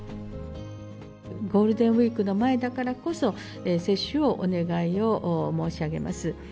ゴールデンウィークの前だからこそ、接種をお願いを申し上げます。